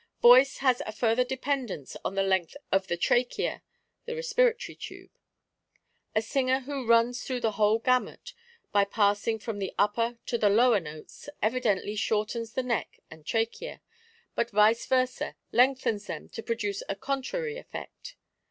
Voice has a further dependence on the length of tho trachea (the respiratory tube). A singer who runs through the whole gamut, by passing from the upper to the lower notes, evidently shortens the neck and trachea, but vice versa, lengthens them to produce a contrary effect.